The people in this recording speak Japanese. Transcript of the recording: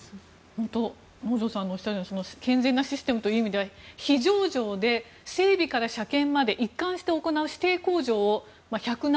本当能條さんがおっしゃるように健全なシステムというところでは非上場で、整備から車検まで一貫して行う指定工場を１０７